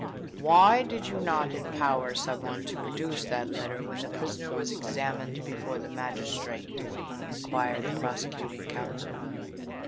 "Why did you not empower some one to produce that letter when the prisoner was examined before the magistrate?" inquired the prosecuting counsel.